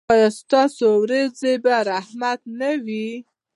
ایا ستاسو ورېځې به رحمت نه وي؟